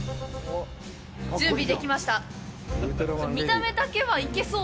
準備できました！ねぇ？